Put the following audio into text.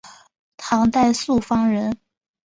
唐代朔方人。